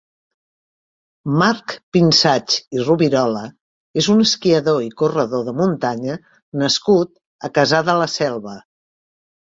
Marc Pinsach i Rubirola és un esquiador i corredor de muntanya nascut a Cassà de la Selva.